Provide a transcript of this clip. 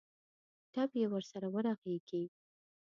ټپ یې ورسره ورغېږي.